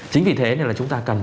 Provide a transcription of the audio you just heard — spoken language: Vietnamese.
chính vì thế là chúng ta cần